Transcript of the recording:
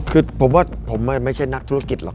คือผมว่าผมไม่ใช่นักธุรกิจหรอก